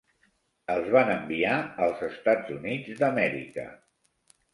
Els van enviar als Estat Units d'Amèrica.